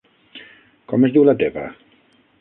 Com es diu la teva??